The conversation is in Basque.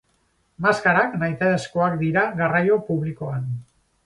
Maskarak nahitaezkoak dira garraio publikoan.